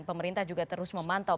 pemerintah juga terus memantau